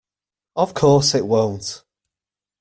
Of course it won't.